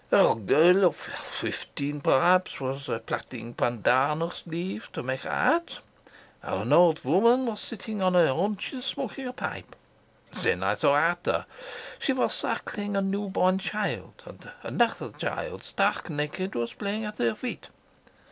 "A girl of fifteen, perhaps, was plaiting pandanus leaf to make a hat, and an old woman was sitting on her haunches smoking a pipe. Then I saw Ata. She was suckling a new born child, and another child, stark naked, was playing at her feet.